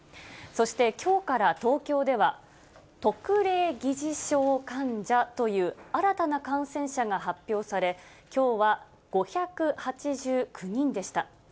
そしてきょうから東京では、特例疑似症患者という、新たな感染者が発表され、きょうは５８９人でした。